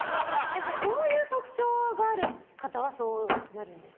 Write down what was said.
どういう特徴がある方がそうなるんですか？